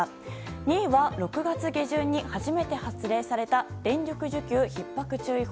２位は６月下旬に初めて発令された電力需給ひっ迫注意報。